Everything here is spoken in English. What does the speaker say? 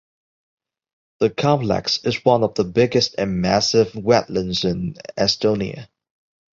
The complex is one of the biggest and massive wetlands in Estonia.